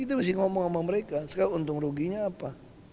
kita mesti ngomong sama mereka sekarang untung ruginya apa